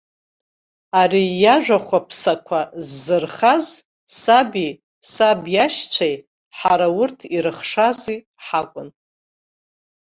Ари иажәа-хәаԥсақәа ззырхаз саби, саб иашьцәеи, ҳара урҭ ирыхшази ҳакәын.